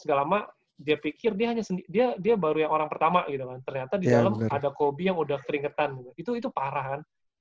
segelama dia pikir dia baru yang orang pertama gitu kan ternyata di dalam ada kobe yang udah keringetan itu parah kan